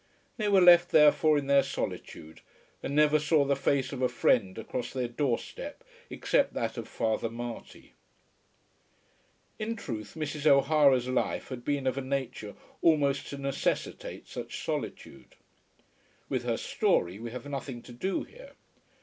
They were left therefore in their solitude, and never saw the face of a friend across their door step except that of Father Marty. In truth Mrs. O'Hara's life had been of a nature almost to necessitate such solitude. With her story we have nothing to do here.